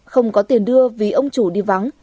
không có tiền đưa vì ông chủ đi vắng